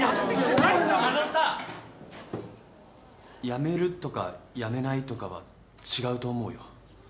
辞めるとか辞めないとかは違うと思うよ。